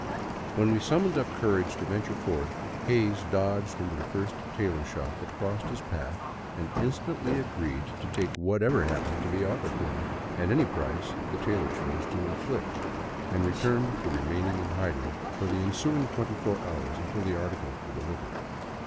When we summoned up courage to venture forth. Hays dodged into the first tailor shop that crossed his path, and instantly agreed to take whatever happened to be offered him, at any price the tailor chose to inflict — and returned to remain in hiding for the ensuing twenty four hours until the articles were altered.